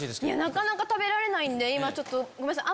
なかなか食べられないんで今ごめんなさい。